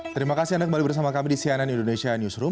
terima kasih anda kembali bersama kami di cnn indonesia newsroom